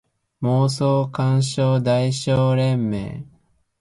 妄想感傷代償連盟